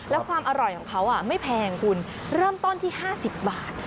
แล้วความอร่อยของเขาไม่แพงคุณเริ่มต้นที่๕๐บาท